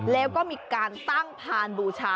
แล้วก็มีการตั้งพานบูชา